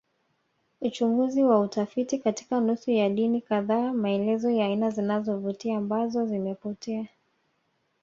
Uchunguzi wa utafiti katika nusu ya dini kadhaa maelezo ya aina zinazovutia ambazo zimepotea